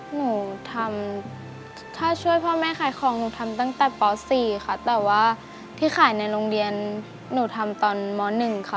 หนูทำถ้าช่วยพ่อแม่ขายของหนูทำตั้งแต่ป๔ค่ะแต่ว่าที่ขายในโรงเรียนหนูทำตอนม๑ค่ะ